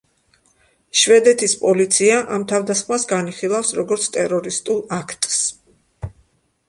შვედეთის პოლიცია ამ თავდასხმას განიხილავს, როგორც ტერორისტულ აქტს.